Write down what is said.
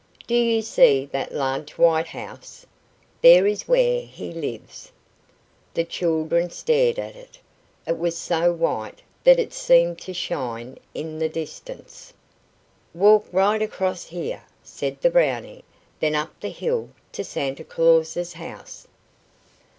"Do you see that large white house? There is where he lives." The children stared at it. It was so white that it seemed to shine in the distance. "Walk right across here," said the Brownie, "then up the hill to Santa Claus's house."